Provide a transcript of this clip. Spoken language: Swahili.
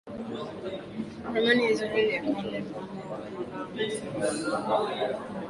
Ramani ya Israeli ya Kale mnamo mwaka mia tisa ishirini na sita